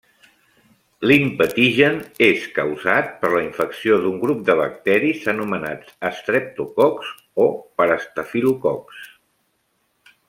L'impetigen és causat per la infecció d'un grup de bacteris anomenats estreptococs, o per estafilococs.